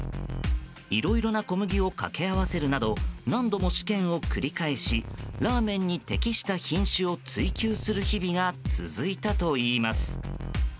いろいろな小麦を掛け合わせるなど何度も試験を繰り返しラーメンに適した品種を追求する日々が続いたといいます。